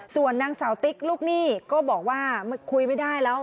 ส่วนนางสาวติ๊กลูกหนี้ก็บอกว่าคุยไม่ได้แล้ว